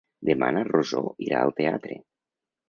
Demà na Rosó irà al teatre.